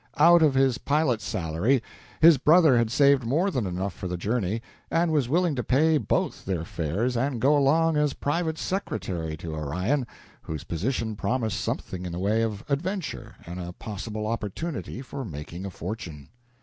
Out of his pilot's salary his brother had saved more than enough for the journey, and was willing to pay both their fares and go along as private secretary to Orion, whose position promised something in the way of adventure and a possible opportunity for making a fortune.